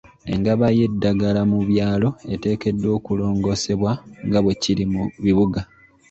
Engaba y'eddagala mu byalo eteekeddwa okulongoosebwa nga bwe kiri mu bibuga.